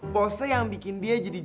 pose yang bikin dia jadi